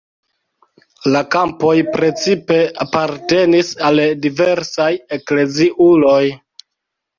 La kampoj precipe apartenis al diversaj ekleziuloj.